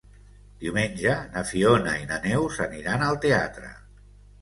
Diumenge na Fiona i na Neus aniran al teatre.